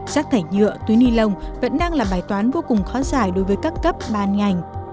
rác thải nhựa túi ni lông vẫn đang là bài toán vô cùng khó giải đối với các cấp ban ngành